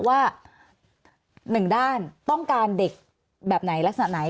ว่าหนึ่งด้านต้องการเด็กแบบไหนลักษณะไหน